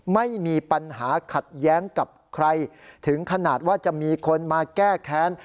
ไม่มีปัญหาขัดแย้งกับใครถึงขนาดว่าจะมีคนมาแก้แค้น